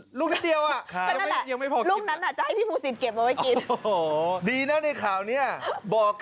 พี่ภูศิษย์เดี๋ยวอีก๗ลูกใช่ไหมพี่เก็บไว้กินสักลูก